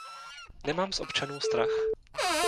Nemám z občanů strach.